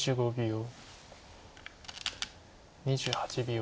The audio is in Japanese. ２８秒。